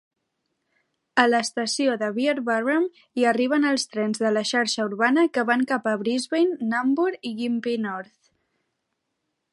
A l'estació de Beerburrum hi arriben els trens de la xarxa urbana que van cap a Brisbane, Nambour i Gympie North.